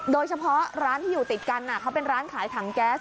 โดยเฉพาะร้านที่อยู่ติดกันเขาเป็นร้านขายถังแก๊ส